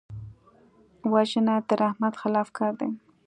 وژنه د رحمت خلاف کار دی